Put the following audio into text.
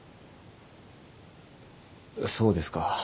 そうですか？